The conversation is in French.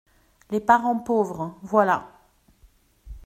Les parents pauvres… voilà !